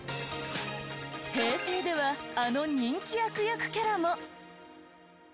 平成ではあの人気悪役キャラも。